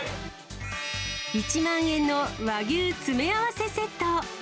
１万円の和牛詰め合わせセット。